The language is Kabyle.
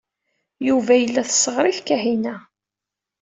Yuba yella tesɣer-it Kahina.